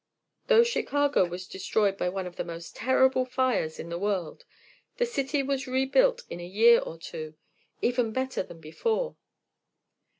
Though Chicago was destroyed by one of the most terrible fires in the world, the city was rebuilt in a year or two, even better than before.